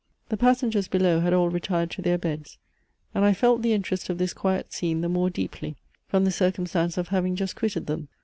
The passengers below had all retired to their beds; and I felt the interest of this quiet scene the more deeply from the circumstance of having just quitted them.